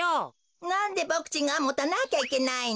なんでボクちんがもたなきゃいけないの？